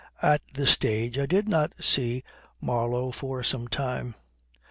At this stage I did not see Marlow for some time.